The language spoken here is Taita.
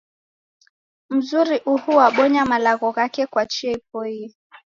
Mzuri uhu wabonya malagho ghake kwa chia ipoie.